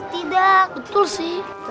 tidak betul sih